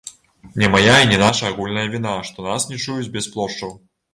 Не мая і не наша агульная віна, што нас не чуюць без плошчаў.